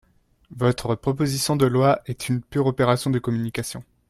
Votre proposition de loi est une pure opération de communication.